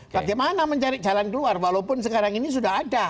bagaimana mencari jalan keluar walaupun sekarang ini sudah ada